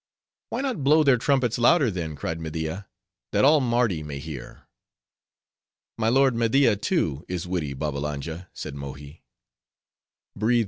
"Why not blow their trumpets louder, then," cried Media, that all Mardi may hear?" "My lord Media, too, is witty, Babbalanja," said Mohi.